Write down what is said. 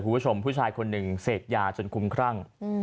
คุณผู้ชมผู้ชายคนหนึ่งเสพยาจนคุ้มครั่ง